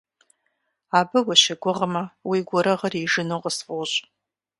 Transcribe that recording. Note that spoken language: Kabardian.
Абы ущыгугъмэ, уи гурыгъыр ижыну къысфӀощӀ.